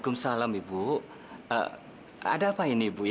cuma satu tanggepan gue